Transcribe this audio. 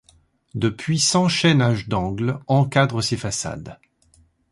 De puissants chaînages d'angle encadrent ses façades.